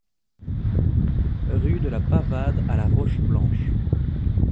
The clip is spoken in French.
Rue de la Pavade à La Roche-Blanche